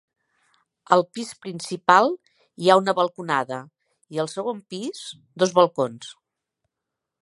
Al pis principal hi ha una balconada i al segon pis, dos balcons.